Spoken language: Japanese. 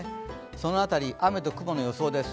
その辺り、雨と雲の予想です。